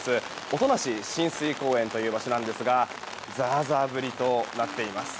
音無親水公園という場所なんですがザーザー降りとなっています。